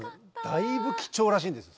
だいぶ貴重らしいんです。